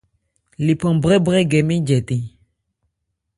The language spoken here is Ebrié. Lephan brɛ́brɛ gɛ mɛ́n jɛtɛ̂n.